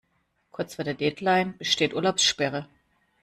Kurz vor der Deadline besteht Urlaubssperre.